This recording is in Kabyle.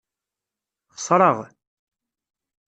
Xesreɣ.